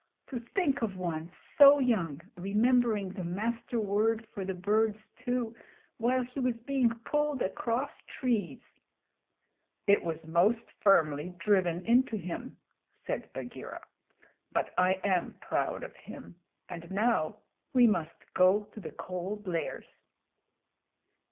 "To think of one so young remembering the Master Word for the birds too while he was being pulled across trees!" "It was most firmly driven into him," said Bagheera. "But I am proud of him, and now we must go to the Cold Lairs."